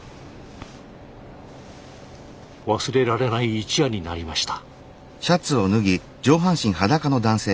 忘れられない一夜になりました。